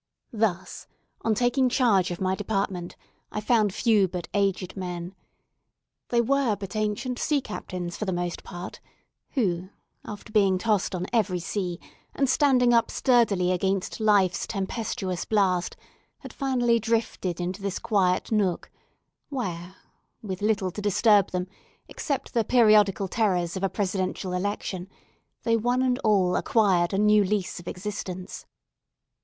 Thus, on taking charge of my department, I found few but aged men. They were ancient sea captains, for the most part, who, after being tossed on every sea, and standing up sturdily against life's tempestuous blast, had finally drifted into this quiet nook, where, with little to disturb them, except the periodical terrors of a Presidential election, they one and all acquired a new lease of existence.